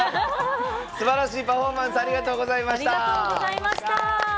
すばらしいパフォーマンスありがとうございました。